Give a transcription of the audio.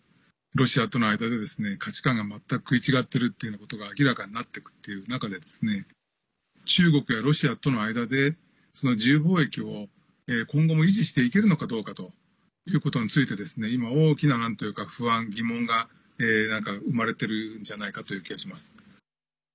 ロシアとの間で価値観が全く食い違っているということが明らかになっていくという中で中国やロシアとの間で自由貿易を今後も維持していけるかどうかということについて今、大きな不安、疑問が生まれてるんじゃないかという気がします。